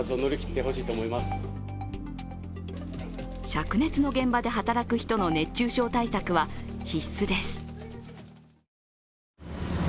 しゃく熱の現場で働く人の熱中症対策は必須です。